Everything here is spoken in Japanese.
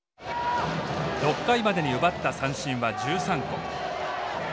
６回までに奪った三振は１３個。